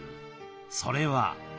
それは？